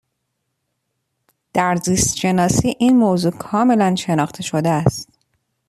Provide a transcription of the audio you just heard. در زیست شناسی این موضوع کاملا شناخته شده است.